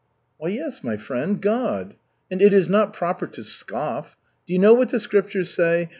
"Why, yes, my friend, God. And it is not proper to scoff. Do you know what the Scriptures say?